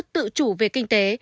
tự chủ về kinh tế